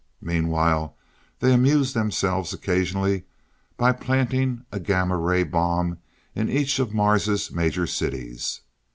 Meanwhile they amused themselves occasionally by planting a gamma ray bomb in each of Mars' major cities.